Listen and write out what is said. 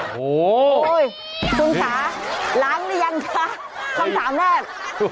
โหโอ้ยคุณขาล้างได้ยังคะคำถามแรก